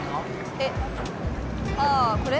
えっああこれ？